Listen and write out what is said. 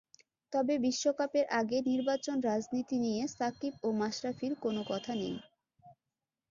তবে বিশ্বকাপের আগে নির্বাচন রাজনীতি নিয়ে সাকিব ও মাশরাফির কোনো কথা নেই।